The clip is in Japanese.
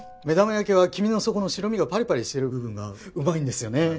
目玉焼きは黄身の底の白身がパリパリしている部分がうまいんですよね。